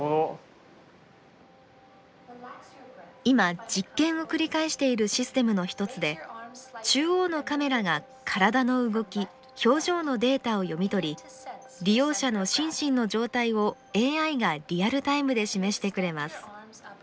今実験を繰り返しているシステムの一つで中央のカメラが体の動き表情のデータを読み取り利用者の心身の状態をＡＩがリアルタイムで示してくれます。